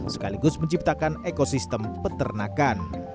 sekaligus menciptakan ekosistem peternakan